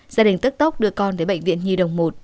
gia đình tức tốc đưa con tới bệnh viện nhi đồng một